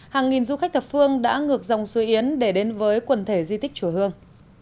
hàng nghìn du khách thập phương đã ngược dòng suối yến để đến với quần thể di tích chùa hương